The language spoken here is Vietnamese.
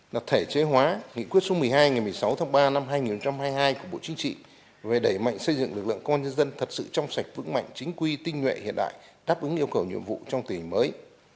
là thể chế hóa nghị quyết số một mươi hai ngày một mươi sáu tháng ba năm hai nghìn hai mươi hai của bộ chính trị về đẩy mạnh xây dựng lực lượng công an nhân dân thật sự trong sạch vững mạnh chính quy tinh nguyện hiện đại đáp ứng yêu cầu nhiệm vụ trong tình hình mới